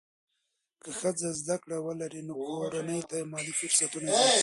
که ښځه زده کړه ولري، نو کورنۍ ته مالي فرصتونه زیاتېږي.